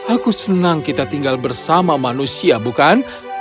aku senang kita tinggal bersama manusia bukan